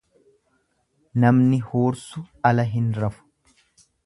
Namni huursu ala hin rafu.